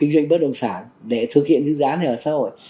đồng sản để thực hiện những dự án này ở xã hội